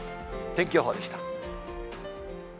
天気予報でした。